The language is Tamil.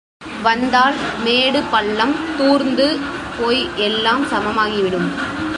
வந்தால் மேடு பள்ளம் தூர்ந்து போய் எல்லாம் சமமாகிவிடும்.